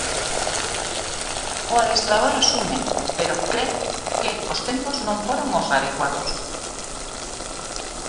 O adestrador asume, pero cre que os tempos non foron os adecuados.